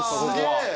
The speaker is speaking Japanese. すげえ。